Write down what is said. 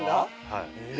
はい。